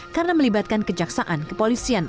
karena melibatkan kejaksaan kepolisian